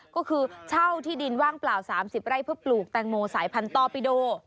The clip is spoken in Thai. ก็คือเช่าที่ดินว่างเปล่า๓๐ไร่เพื่อปลูกแตงโมสายพันธอปิโด